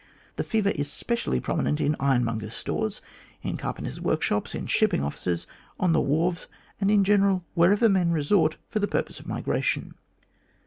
The fever is specially prominent in ironmongers' stores, in carpenters' workshops, in shipping offices, on the wharves, and in general wherever men resort for the purpose of migration.